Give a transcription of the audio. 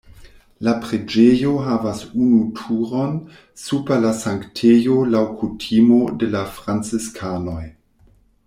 La preĝejo havas unu turon super la sanktejo laŭ kutimo de la franciskanoj.